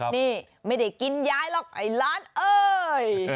นี่ไม่ได้กินยายหรอกไอ้ล้านเอ้ย